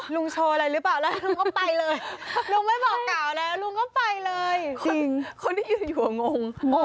ลูกโชว์อะไรหรือเปล่าและลูกก็ไปเลยไม่บอกกล่าวแล้วลูกก็ไปเลยจริงคนที่อยู่อยู่อะงง